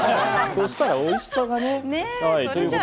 そうしたらおいしさがねぇ。